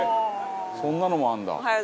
そんなのもあるんだ。